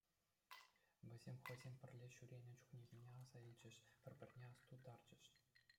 Вӗсем хӑйсем пӗрле ҫӳренӗ чухнехине аса илчӗҫ, пӗр-пӗрне астутарчӗҫ.